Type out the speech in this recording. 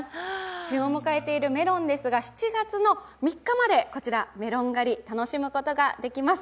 旬を迎えているメロンですが７月３日までメロン狩り、楽しむことができます